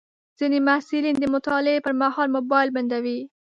ځینې محصلین د مطالعې پر مهال موبایل بندوي.